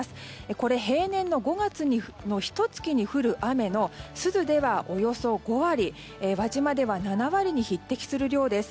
これ、平年の５月のひと月に降る雨の珠洲ではおよそ５割輪島では７割に匹敵する量です。